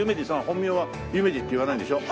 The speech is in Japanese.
本名は夢二っていわないんでしょ？